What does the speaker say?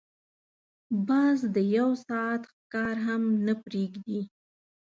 باز د یو ساعت ښکار هم نه پریږدي